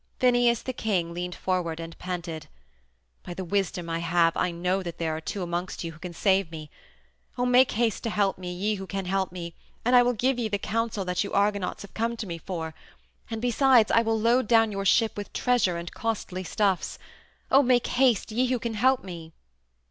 Phineus, the king, leaned forward and panted: "By the wisdom I have I know that there are two amongst you who can save me. O make haste to help me, ye who can help me, and I will give the counsel that you Argonauts have come to me for, and besides I will load down your ship with treasure and costly stuffs. Oh, make haste, ye who can help me!"